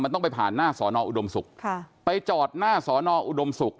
มันต้องไปผ่านหน้าสอนออุดมศุกร์ค่ะไปจอดหน้าสอนออุดมศุกร์